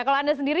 kalau anda sendiri